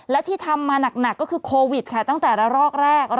และที่ทำมาหนักก็คือโควิดค่ะตั้งแต่ละรอกแรก